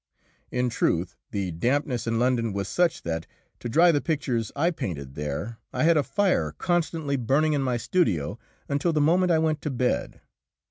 In truth, the dampness in London was such that, to dry the pictures I painted there, I had a fire constantly burning in my studio until the moment I went to bed.